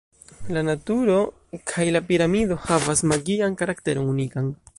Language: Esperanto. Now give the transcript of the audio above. La naturo kaj la piramido havas magian karakteron unikan.